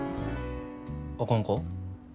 あかんか？